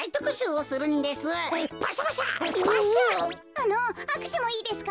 あのあくしゅもいいですか？